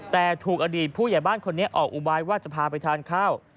แต่ถูกอดีตผู้ใหญ่บ้านคนนี้ออกอุบายว่าจะพาไปทานข้าว